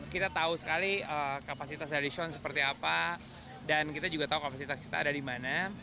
kita tahu sekali kapasitas dari show seperti apa dan kita juga tahu kapasitas kita ada di mana